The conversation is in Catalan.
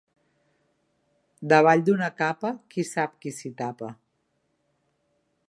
Davall d'una capa qui sap qui s'hi tapa.